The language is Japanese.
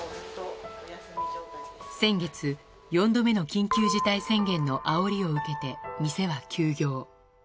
先月、４度目の緊急事態宣言のあおりを受けて、店は休業。